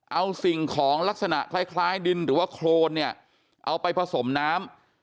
เอาสิ่งของลักษณะคล้ายดินหรือว่าโครนเนี่ยเอาไปผสมน้ำ